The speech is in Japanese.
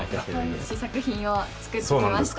試作品を作ってきました！